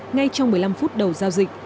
ngay trong một mươi năm phút đầu giao dịch